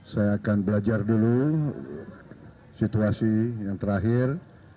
saya akan belajar dulu situasi yang terakhir